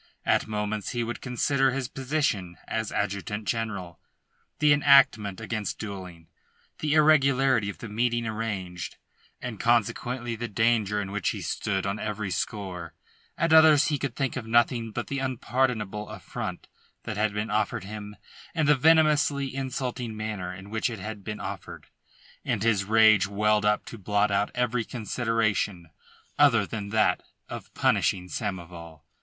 At moments he would consider his position as adjutant general, the enactment against duelling, the irregularity of the meeting arranged, and, consequently, the danger in which he stood on every score; at others he could think of nothing but the unpardonable affront that had been offered him and the venomously insulting manner in which it had been offered, and his rage welled up to blot out every consideration other than that of punishing Samoval.